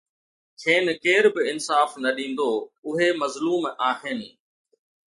کين ڪير به انصاف نه ڏيندو، اهي مظلوم آهن